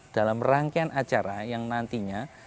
dalam rangkaian acara yang nantinya